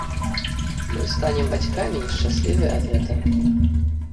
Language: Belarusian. Мы станем бацькамі і шчаслівыя ад гэтага.